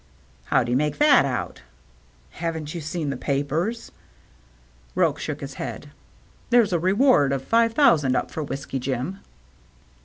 " How do you make that out ?"" Haven't you seen the papers ?" Roche shook his head. " There's a reward of five thousand up for Whiskey Jim."